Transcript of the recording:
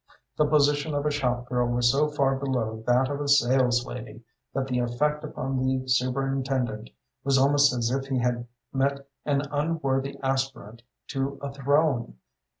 The position of a shop girl was so far below that of a sales lady that the effect upon the superintendent was almost as if he had met an unworthy aspirant to a throne.